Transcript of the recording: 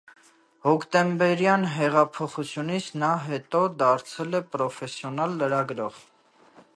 Հոկտեմբերյան հեղափոխությունից նա հետո դարձել է պրոֆեսիոնալ լրագրող։